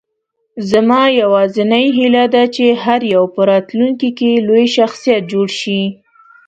زما یوازینۍ هیله ده، چې هر یو په راتلونکې کې لوی شخصیت جوړ شي.